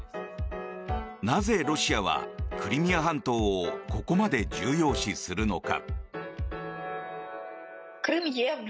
なぜ、ロシアはクリミア半島をここまで重要視するのか。